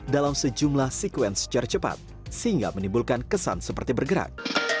dalam sejumlah sekuens secara cepat sehingga menimbulkan kesan seperti bergerak